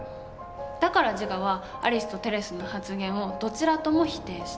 だからジガはアリスとテレスの発言をどちらとも否定した。